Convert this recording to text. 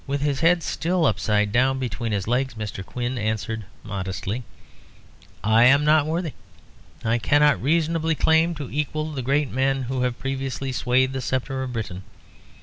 With his head still upside down between his legs, Mr. Quin answered modestly "I am not worthy. I cannot reasonably claim to equal the great men who have previously swayed the sceptre of Britain.